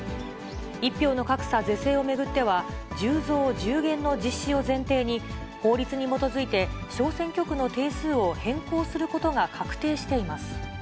１票の格差是正を巡っては、１０増１０減の実施を前提に、法律に基づいて、小選挙区の定数を変更することが確定しています。